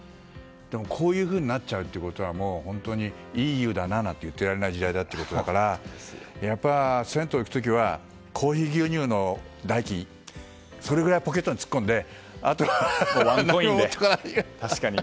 でも、こういうふうになっちゃうということはもう本当に、いい湯だななんて言っていられない時代だってことだからやっぱり銭湯に行く時はコーヒー牛乳の代金ぐらいをポケットに突っ込んであとは何も持っていかないように。